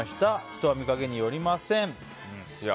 人は見かけによりません。